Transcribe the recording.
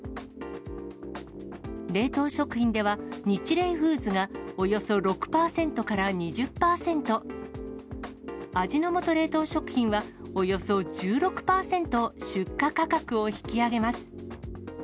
冷凍食品では、ニチレイフーズがおよそ６％から２０％、味の素冷凍食品は、およそ１６％、出荷価格を引き上げます。